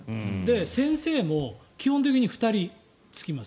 先生も基本的に２人つきます。